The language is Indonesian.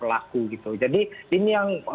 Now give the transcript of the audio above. pelaku gitu jadi ini yang